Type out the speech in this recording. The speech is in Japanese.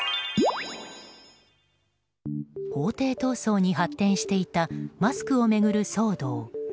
法廷闘争に発展していたマスクを巡る騒動。